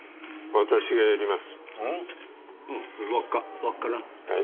私がやります。